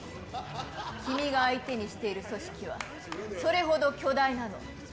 君が相手にしている組織は、それほど巨大なの。